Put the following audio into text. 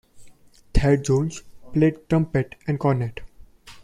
Thad Jones played trumpet and cornet.